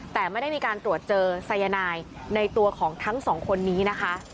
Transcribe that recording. แต่ไม่ได้มีการตรวจเจอสายนายในตัวของทั้งสองคนนี้นะคะ